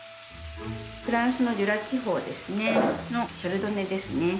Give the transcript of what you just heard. フランスのジュラ地方ですねのシャルドネですね。